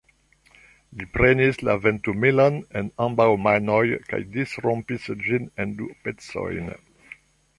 Li prenis la ventumilon en ambaŭ manojn kaj disrompis ĝin en du pecojn.